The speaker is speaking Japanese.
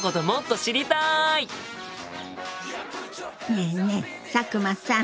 ねえねえ佐久間さん。